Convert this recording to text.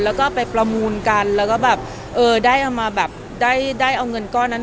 แล้วก็ไปประมูลกันแล้วก็แบบเออได้เอามาแบบได้เอาเงินก้อนนั้น